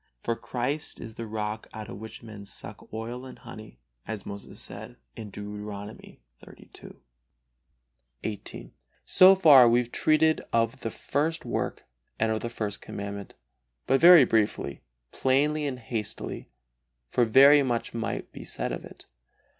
For Christ is the rock out of which men suck oil and honey, as Moses says, Deuteronomy xxxii. XVIII. So far we have treated of the first work and of the First Commandment, but very briefly, plainly and hastily, for very much might be said of it.